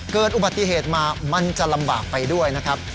เกิดอุบัติเหตุมามันจะลำบากไปด้วยนะครับ